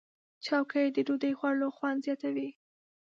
چوکۍ د ډوډۍ خوړلو خوند زیاتوي.